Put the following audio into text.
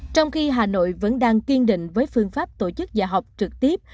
trong khi hà nội vẫn đang kiên định với phương pháp tổ chức dạy học trực tiếp